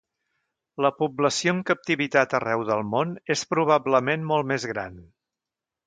La població en captivitat arreu del món és probablement molt més gran.